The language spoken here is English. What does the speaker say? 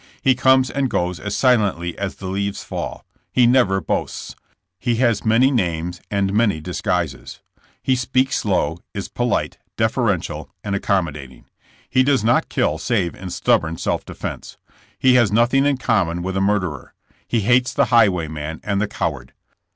He comes and goes as silently as the leaves fall. He never boasts. He has many names arid many dis guises. He speaks low, is polite, deferential and ac commodating. He does not kill save in stubborn self defense. He has nothing in common with a murderer. He hates the highwayman and the cow ard.